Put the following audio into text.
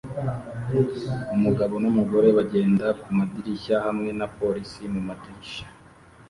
Umugabo numugore bagenda kumadirishya hamwe na police mumadirishya